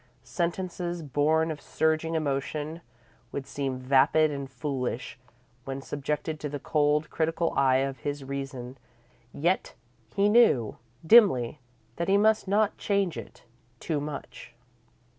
Sentences born of surging emotion would seem vapid and foolish when subjected to the cold, critical eye of his reason, yet he knew, dimly, that he must not change it too much.